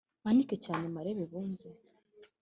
Mpanike cyane i Marebe bumve